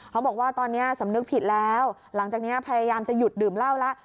บอกว่าตอนนี้สำนึกผิดแล้วหลังจากนี้พยายามจะหยุดดื่มเหล้าแล้ว